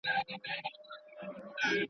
د سورلنډیو انګولا به پښتانه بېروي.